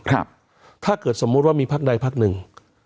ถ้าเกิดสมมติว่ามีภาคใดภาคหนึ่ง